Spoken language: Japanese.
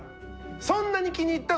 「そんなに気に入ったの？